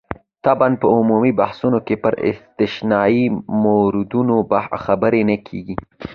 طبعاً په عمومي بحثونو کې پر استثنايي موردونو خبرې نه کېږي.